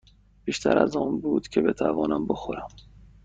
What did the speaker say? بیشتر از آن بود که بتوانم بخورم.